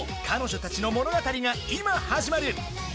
彼女たちの物語が今始まる。